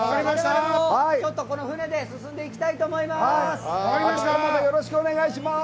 船で進んでいきたいと思います。